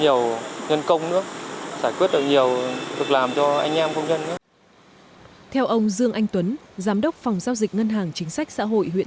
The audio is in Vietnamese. nhiều nhân công nhân theo ông dương anh tuấn giám đốc phòng giao dịch ngân hàng chính sách xã hội huyện